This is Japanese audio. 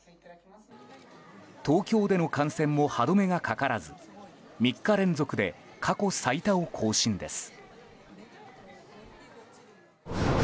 東京での感染も歯止めがかからず３日連続で過去最多を更新です。